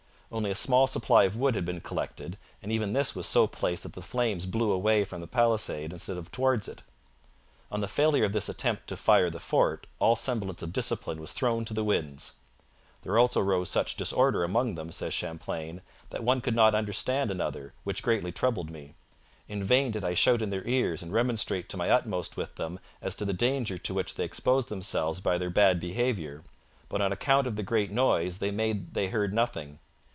Only a small supply of wood had been collected, and even this was so placed that the flames blew away from the palisade instead of towards it. On the failure of this attempt to fire the fort all semblance of discipline was thrown to the winds. 'There also rose such disorder among them,' says Champlain, 'that one could not understand another, which greatly troubled me. In vain did I shout in their ears and remonstrate to my utmost with them as to the danger to which they exposed themselves by their bad behaviour, but on account of the great noise they made they heard nothing.